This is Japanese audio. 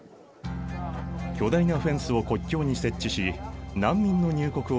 巨大なフェンスを国境に設置し難民の入国を防いだ。